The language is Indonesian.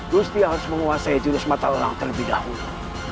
gusti harus menguasai jurus mata orang terlebih dahulu